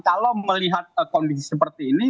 kalau melihat kondisi seperti ini